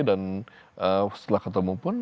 dan setelah ketemu pun